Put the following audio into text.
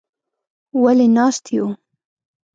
_ولې ناست يو؟